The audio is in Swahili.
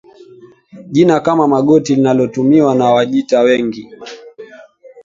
Jina kama Magoti linalotumiwa na Wajita wengi